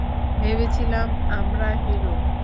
ভেবেছিলাম আমরা হিরো।